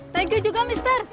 thank you juga mister